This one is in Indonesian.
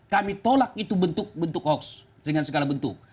kami tolak itu bentuk bentuk hoax dengan segala bentuk